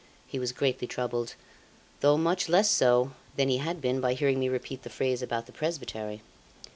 he was greatly troubled, though much less so than he had been by hearing me repeat the phrase about the presbytery.